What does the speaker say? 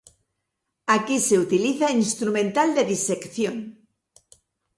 Aquí se utiliza instrumental de disección.